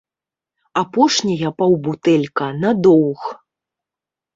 Апошняя паўбутэлька на доўг.